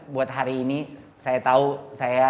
buat hari ini saya tahu saya